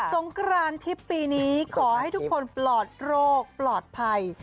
งกรานทิพย์ปีนี้ขอให้ทุกคนปลอดโรคปลอดภัย